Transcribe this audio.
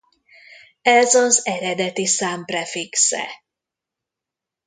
Ez az eredeti szám prefixe.